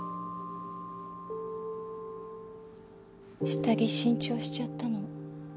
下着新調しちゃったの。